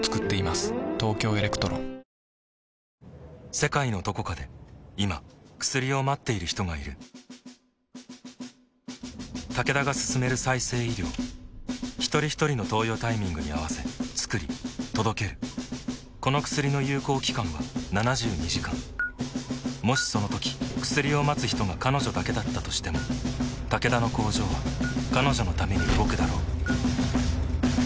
世界のどこかで今薬を待っている人がいるタケダが進める再生医療ひとりひとりの投与タイミングに合わせつくり届けるこの薬の有効期間は７２時間もしそのとき薬を待つ人が彼女だけだったとしてもタケダの工場は彼女のために動くだろう